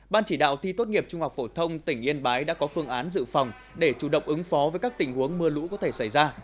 ban chỉ đạo thi tốt nghiệp trung học phổ thông tỉnh yên bái đã có phương án dự phòng để chủ động ứng phó với các tình huống mưa lũ có thể xảy ra